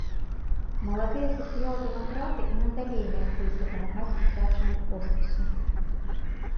Маладыя сацыял-дэмакраты і надалей мяркуюць дапамагаць дзіцячаму хоспісу.